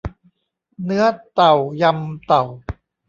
เนื้อเต่ายำเต่า